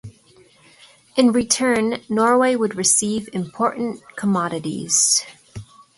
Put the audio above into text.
In return Norway would receive important commodities.